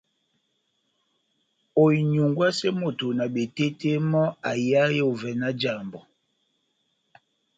Oinyungwase moto na betete mò aihae ovè nájàmbo.